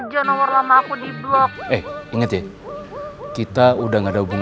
jangan kasih tau ke pian sama bade ya